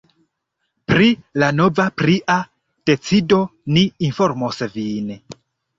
Pri la nova pria decido ni informos vin.